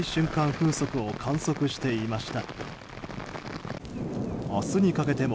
風速を観測していました。